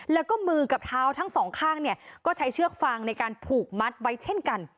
แล้วก็มือกับเท้าทั้งสองข้างเนี่ยก็ใช้เชือกฟางในการผูกมัดไว้เช่นกัน